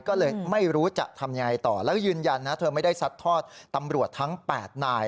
ก็เลยไม่รู้จะทำยังไงต่อแล้วยืนยันนะเธอไม่ได้ซัดทอดตำรวจทั้ง๘นาย